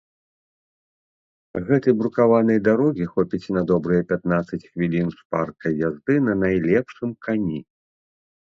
Гэтай брукаванай дарогі хопіць на добрыя пятнаццаць хвілін шпаркай язды на найлепшым кані.